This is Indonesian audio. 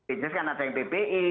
ada yang bpi